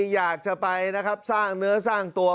อยากจะไปนะครับสร้างเนื้อสร้างตัว